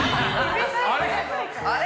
あれ？